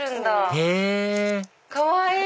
へぇかわいい！